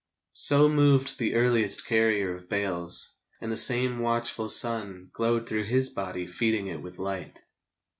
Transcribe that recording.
So moved the earliest carrier of bales, And the same watchful sun Glowed through his body feeding it with light.